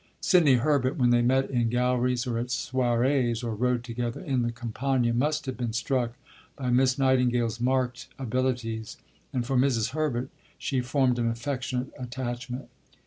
Sidney Herbert, when they met in galleries or at soirées, or rode together in the Campagna, must have been struck by Miss Nightingale's marked abilities, and for Mrs. Herbert she formed an affectionate attachment.